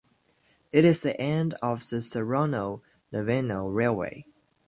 It is the end of the Saronno–Laveno railway.